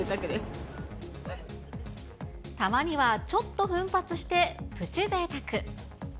たまにはちょっと奮発してプチぜいたく。